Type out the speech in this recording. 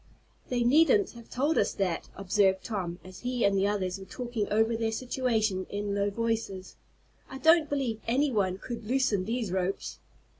"They needn't have told us that," observed Tom, as he and the others were talking over their situation in low voices. "I don't believe any one could loosen these ropes."